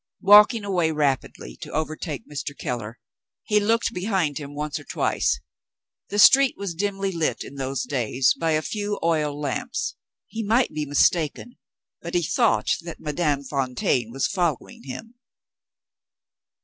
Walking away rapidly to overtake Mr. Keller, he looked behind him once or twice. The street was dimly lit, in those days, by a few oil lamps. He might be mistaken but he thought that Madame Fontaine was following him.